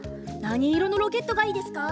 なにいろのロケットがいいですか？